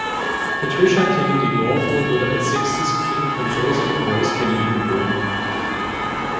Patricia Kennedy Lawford wurde als sechstes Kind von Joseph und Rose Kennedy geboren.